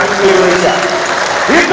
tepat jelas tidak beda